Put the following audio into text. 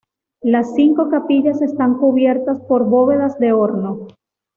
Las cinco capillas están cubiertas por bóvedas de horno.